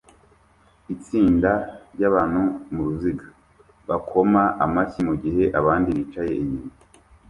Itsinda ryabantu muruziga bakoma amashyi mugihe abandi bicaye inyuma